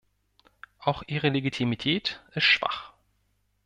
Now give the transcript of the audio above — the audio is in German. Auch ihre Legitimität ist schwach.